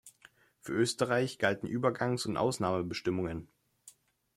Für Österreich galten Übergangs- und Ausnahmebestimmungen.